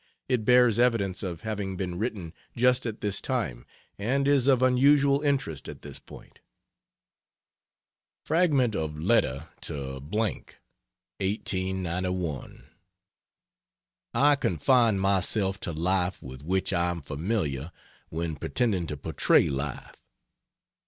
It bears evidence of having been written just at this time and is of unusual interest at this point. Fragment of Letter to , 1891: .... I confine myself to life with which I am familiar when pretending to portray life.